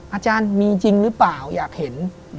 อาจารย์มีจริงหรือเปล่าอยากเห็น